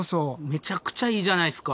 めちゃくちゃいいじゃないですか。